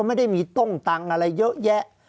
ภารกิจสรรค์ภารกิจสรรค์